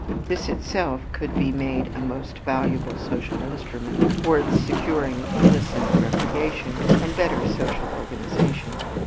This itself could be made a most valuable social instrument toward securing innocent recreation and better social organization.